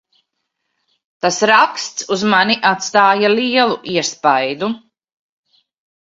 Tas raksts uz mani atstāja lielu iespaidu.